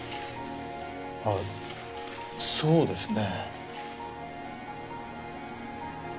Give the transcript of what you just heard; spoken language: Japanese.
あっそうですね。